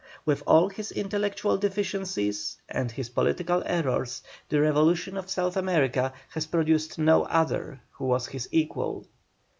With all his intellectual deficiencies and his political errors the Revolution of South America has produced no other who was his equal.